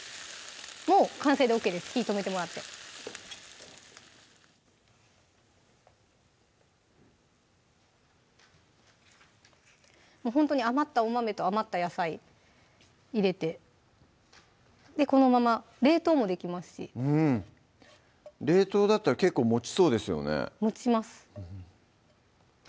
もう完成でＯＫです火止めてもらってもうほんとに余ったお豆と余った野菜入れてこのまま冷凍もできますし冷凍だったら結構もちそうですよねもちます